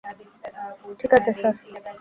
ঠিক, স্যার!